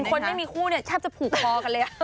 คนไม่มีคู่เนี่ยแทบจะผูกคอกันเลย